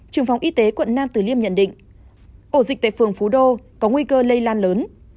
trường phòng y tế quận nam tử liêm nhận định ổ dịch tại phường phú đô có nguy cơ lây lan lớn